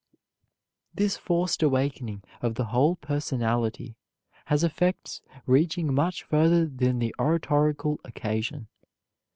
This forced awakening of the whole personality has effects reaching much further than the oratorical occasion.